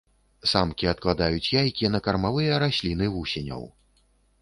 Самкі адкладаюць яйкі на кармавыя расліны вусеняў.